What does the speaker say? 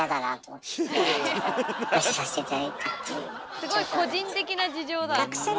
すごい個人的な事情だ！